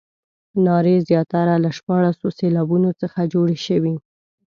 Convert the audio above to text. نارې زیاتره له شپاړسو سېلابونو څخه جوړې شوې.